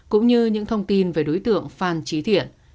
cũng như những thông tin về đối tượng phan trí thiện